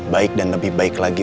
baik dan lebih baik lagi